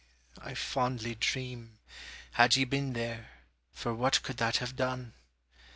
I fondly dream, Had ye been there; for what could that have done?